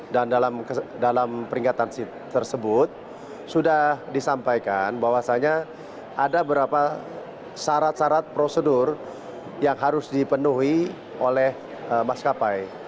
dan dalam peringatan tersebut sudah disampaikan bahwasannya ada berapa syarat syarat prosedur yang harus dipenuhi oleh mas kapai